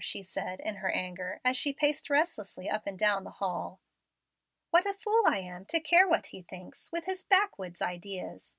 she said in her anger, as she paced restlessly up and down the hall. "What a fool I am to care what he thinks, with his backwoods ideas!